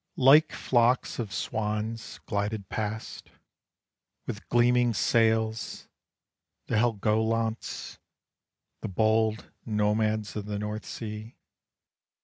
Like flocks of swans glided past, With gleaming sails, the Helgolands, The bold nomads of the North Sea.